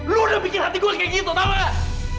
lu udah bikin hati gue kayak gitu tau gak